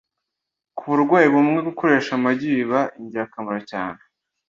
Ku burwayi bumwe, gukoresha amagi biba ingirakamaro cyane.